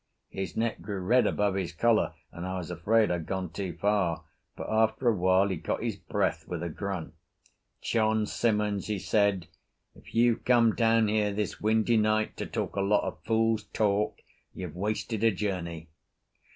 His neck grew red above his collar, and I was afraid I'd gone too far; but after a while he got his breath with a grunt. "John Simmons," he said, "if you've come down here this windy night to talk a lot of fool's talk, you've wasted a journey."